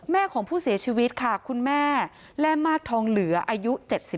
ของผู้เสียชีวิตค่ะคุณแม่แร่มากทองเหลืออายุ๗๒